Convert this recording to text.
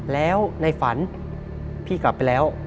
แล้วในฝันพี่กลับไปแล้ว